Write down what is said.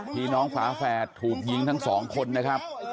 พี่น้องฝาแฝดถูกยิงทั้งสองคนนะครับ